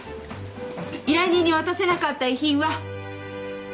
依頼人に渡せなかった遺品はもう捨てて。